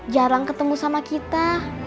jarang ketemu sama kita